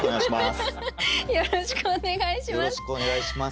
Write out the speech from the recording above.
よろしくお願いします。